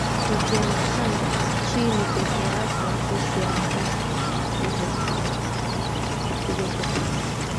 Ukianguka chini pekee yako usianze kupiga kelele